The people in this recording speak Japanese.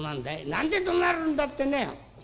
「何でどなるんだってね